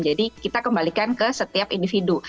jadi kita kembalikan ke setiap individu